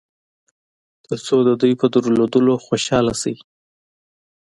تر څو د دوی په درلودلو خوشاله شئ.